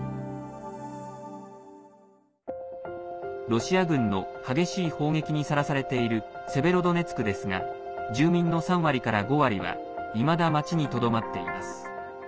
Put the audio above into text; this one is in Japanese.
ロシア軍の激しい砲撃にさらされているセベロドネツクですが住民の３割から５割はいまだ、町にとどまっています。